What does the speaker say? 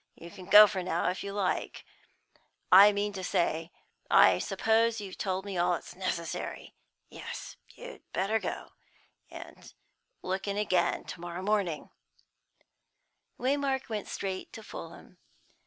You can go now, if you like; I mean to say, I suppose you've told me all that's necessary. Yes, you'd better go, and look in again tomorrow morning." Waymark went straight to Fulham.